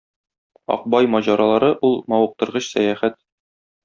Акбай маҗаралары - ул мавыктыргыч сәяхәт!